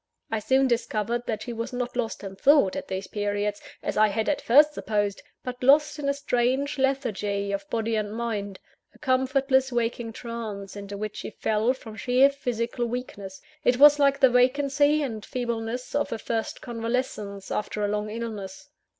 I soon discovered that she was not lost in thought, at these periods (as I had at first supposed): but lost in a strange lethargy of body and mind; a comfortless, waking trance, into which she fell from sheer physical weakness it was like the vacancy and feebleness of a first convalescence, after a long illness.